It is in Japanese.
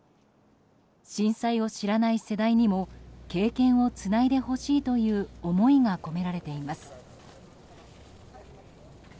震災を知らない世代にも経験をつないでほしいという思いが込められています。